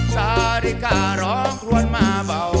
สาริการ้องควนมาเบา